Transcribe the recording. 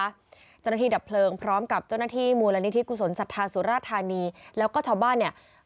เจ้าหน้าที่ดับเพลิงพร้อมกับเจ้าหน้าที่มูลนิธิกุศลศรัทธาสุราธานีแล้วก็ชาวบ้านเนี่ย